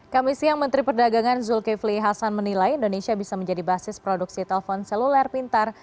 kami siang menteri perdagangan zulkifli hasan menilai indonesia bisa menjadi basis produksi telpon seluler pintar